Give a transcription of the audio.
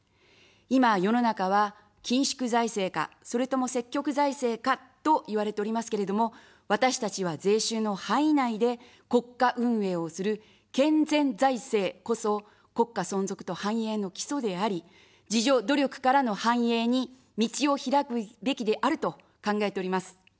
今、世の中は緊縮財政か、それとも積極財政かと言われておりますけれども、私たちは税収の範囲内で国家運営をする健全財政こそ国家存続と繁栄の基礎であり、自助努力からの繁栄に道をひらくべきであると考えております。